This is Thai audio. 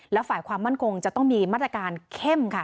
และฝ่ายความมั่นคงจะต้องมีมาตรการเข้มค่ะ